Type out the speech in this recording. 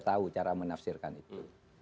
tahu cara menafsirkan itu